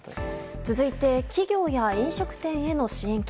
続いて企業や飲食店への支援金。